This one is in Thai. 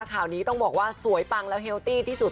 ข่าวนี้ต้องบอกว่าสวยปังแล้วเฮลตี้ที่สุด